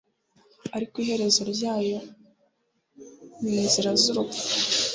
ariko iherezo ryayo ni inzira z'urupfu